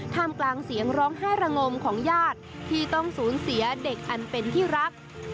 มกลางเสียงร้องไห้ระงมของญาติที่ต้องสูญเสียเด็กอันเป็นที่รัก